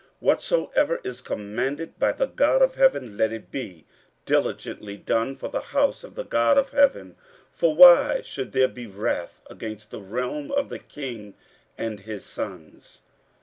15:007:023 Whatsoever is commanded by the God of heaven, let it be diligently done for the house of the God of heaven: for why should there be wrath against the realm of the king and his sons?